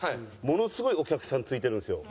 ものすごいお客さん付いてるんですよ。